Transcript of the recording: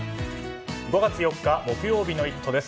５月４日、木曜日の「イット！」です。